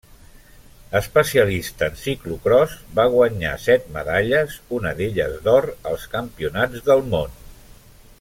Especialista en ciclocròs, va guanyar set medalles, una d'elles d'or, als Campionats del món.